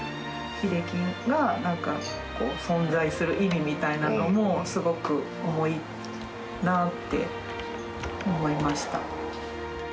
秀樹が存在する意味みたいなものも、すごく重いなあって思いました。